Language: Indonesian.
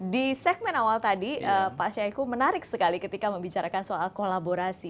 di segmen awal tadi pak syahiku menarik sekali ketika membicarakan soal kolaborasi